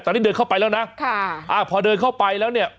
ตอนนี้เดินเข้าไปแล้วนะค่ะอ่าพอเดินเข้าไปแล้วเนี่ย